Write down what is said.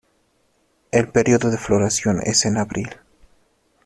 El periodo de floración es en abril.